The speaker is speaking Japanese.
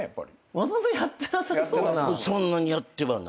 松本さんやってなさそうだな。